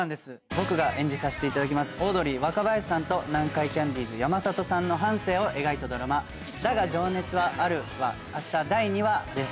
僕が演じさせていただきますオードリー・若林さんと南海キャンディーズ・山里さんの半生を描いたドラマ『だが、情熱はある』はあした第２話です。